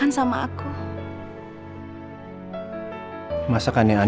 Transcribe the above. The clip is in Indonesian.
hanya apa apa akan luas untuk stylish kan